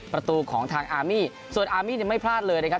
ประตูของทางอาร์มี่ส่วนอาร์มี่ไม่พลาดเลยนะครับ